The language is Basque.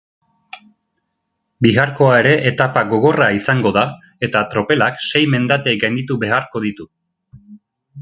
Biharkoa ere etapa gogorra izango da eta tropelak sei mendate gainditu beharko ditu.